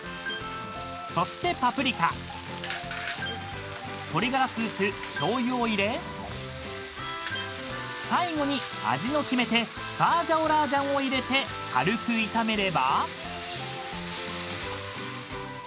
［そしてパプリカ鶏ガラスープしょうゆを入れ最後に味の決め手花椒辣醤を入れて軽く炒めれば］